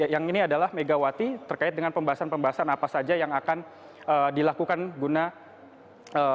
yang ini adalah megawati terkait dengan pembahasan pembahasan apa saja yang akan dilakukan menghadapi pilpres dan pmek dua ribu sembilan belas yang akan datang